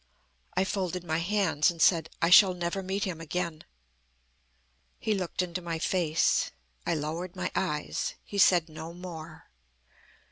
"I folded my hands and said: 'I shall never meet him again.' "He looked into my face. I lowered my eyes. He said no more.